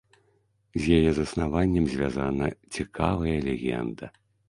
З яе заснаваннем звязана цікавая легенда.